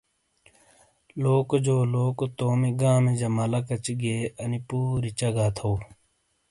لوکو جو لوکو تومی گامی جہ مالہ کچی گئے انی پوری چگا تھو ۔